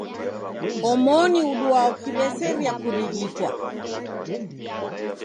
Omoni uduaa ukiw'eseria kurighitwa.